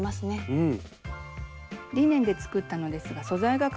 うん！